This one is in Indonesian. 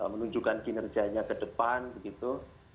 menunjukkan kinerjanya ke depan begitu